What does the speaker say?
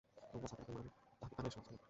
তোমরা সাকারকে মান, তাহাকে কানে শোনা যায় না।